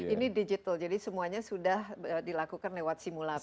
ini digital jadi semuanya sudah dilakukan lewat simulasi